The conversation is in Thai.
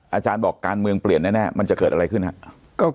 อาจารย์บอกการเมืองเปลี่ยนแน่มันจะเกิดอะไรขึ้นครับ